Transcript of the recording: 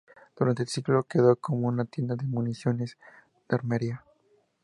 Durante un siglo quedó como una tienda de municiones y armería.